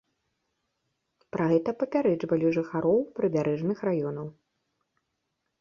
Пра гэта папярэджвалі жыхароў прыбярэжных раёнаў.